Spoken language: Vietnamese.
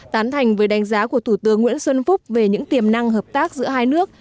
tán thành với đánh giá của thủ tướng nguyễn xuân phúc về những tiềm năng hợp tác giữa hai nước